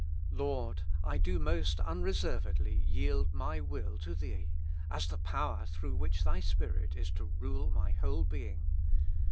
Lord ! I do most unreservedly yield my will to Thee, as the power through which Thy Spirit is to rule my whole being.